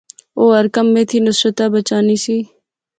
او ہر کمے تھی نصرتا بچانی سی